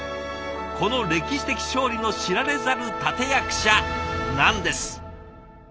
この歴史的勝利の知られざる立て役者なんです。